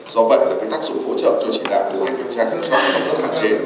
do bệnh được cái tác dụng hỗ trợ cho trị đạo